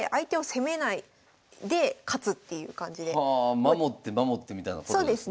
あ守って守ってみたいなことですね。